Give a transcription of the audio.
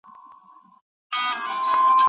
لا کنګرو کې د عرش داسې تاو دي